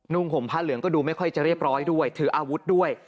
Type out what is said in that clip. ห่มผ้าเหลืองก็ดูไม่ค่อยจะเรียบร้อยด้วยถืออาวุธด้วย